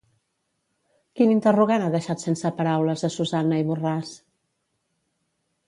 Quin interrogant ha deixat sense paraules a Susanna i Borràs?